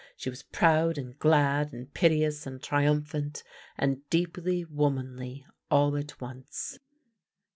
She was proud and glad, and piteous and triumphant, and deeply womanly all at once.